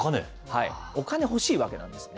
お金、欲しいわけなんですね。